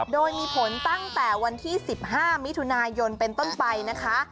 โดยมีผลตั้งแต่วันที่๑๕มิถุนายนเป็นต้นไปนะคะ